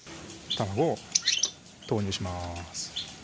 卵を投入します